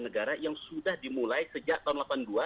negara yang sudah dimulai sejak tahun